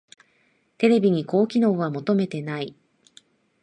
テレビに高機能は求めてない